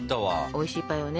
おいしいパイをね